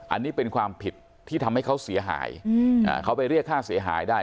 อันนี้เป็นความผิดที่ทำให้เขาเสียหายเขาไปเรียกค่าเสียหายได้